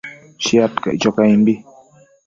Shiad caic cho caimbi